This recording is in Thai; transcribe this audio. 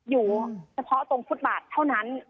อยู่เฉพาะตรงฟุตบาทเท่านั้น